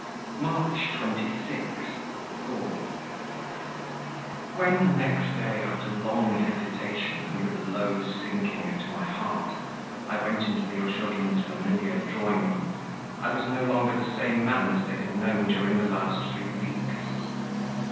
March 26. Thaw. When, next day, after long hesitation and with a low sinking at my heart, I went into the Ozhogins' familiar drawing room, I was no longer the same man as they had known during the last three weeks.